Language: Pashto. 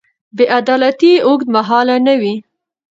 بې عدالتي اوږدمهاله نه وي